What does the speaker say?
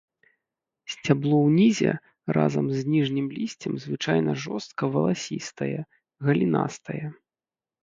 Сцябло ўнізе разам з ніжнім лісцем звычайна жорстка-валасістае, галінастае.